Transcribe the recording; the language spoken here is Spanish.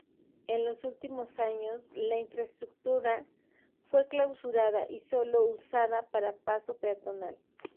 En los últimos años la infraestructura fue clausurada y solo usada para paso peatonal.